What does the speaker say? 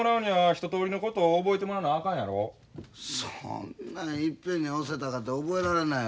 そんないっぺんに教えたかて覚えられないよ。